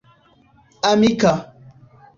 amika